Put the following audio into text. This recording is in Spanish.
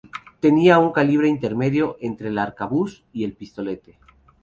Tenía un calibre intermedio entre el arcabuz y el pistolete.